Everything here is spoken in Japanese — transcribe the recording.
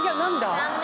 残念。